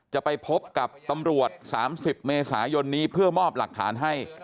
จะไปพบกับตำรวจ๓๐เมษายนนี้เพื่อมอบหลักฐานให้